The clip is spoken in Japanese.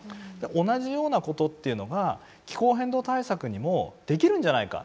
同じようなことっていうのが気候変動対策にもできるんじゃないか。